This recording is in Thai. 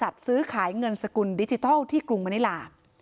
กับบริษัทซื้อขายเงินสกุลดิจิทัลที่กรุงมะนิลา